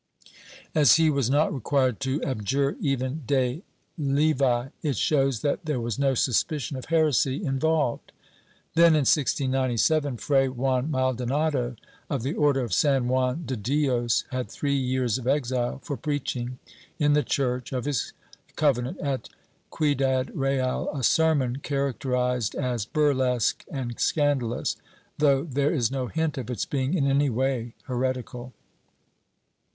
As he was not required to abjure even de levi, it shows that there was no suspicion of heresy involved. Then, in 1697, Fray Juan Maldonado, of the Order of San Juan de Dios, had three years of exile for preaching, in the church of his convent at Ciudad Real, a sermon characterized as burlesque and scandalous, though there is no hint of its being in any way heretical."